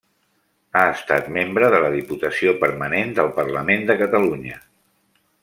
Ha estat membre de la Diputació Permanent del Parlament de Catalunya.